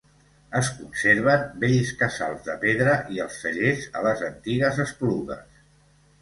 Es conserven vells casals de pedra i els cellers a les antigues esplugues.